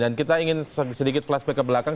dan kita ingin sedikit flashback ke belakang